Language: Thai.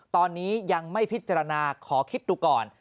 ตอนนี้ยังไม่พิจารณาขอคิดดูก่อน